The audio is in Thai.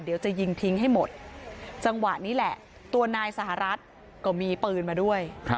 เดี๋ยวจะยิงทิ้งให้หมดจังหวะนี้แหละตัวนายสหรัฐก็มีปืนมาด้วย